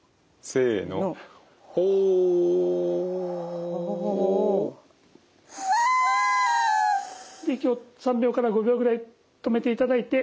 せのホー！で息を３秒から５秒ぐらい止めていただいて。